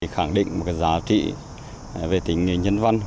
khẳng định một giá trị về tỉnh nhân văn